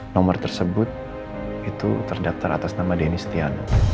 nomor tersebut itu terdaftar atas nama denny setiano